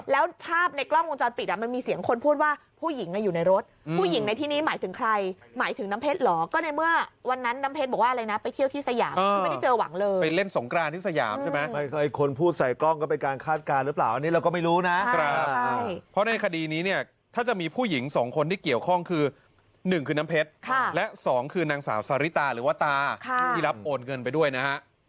แล้วภาพในกล้องวงจรปิดอันนี้มันมีเสียงคนพูดว่า